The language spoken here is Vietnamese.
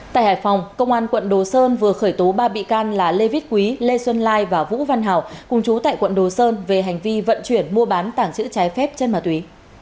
tại hải phòng công an quận đồ sơn vừa khởi tố ba bị can là lê viết quý lê xuân lai và vũ văn hảo cùng chú tại quận đồ sơn về hành vi vận chuyển mua bán tảng chữ trái phép chân ma túy